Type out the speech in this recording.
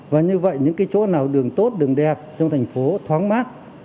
và như vậy những cái chỗ nào đường tốt đường đẹp trong thành phố thoáng mát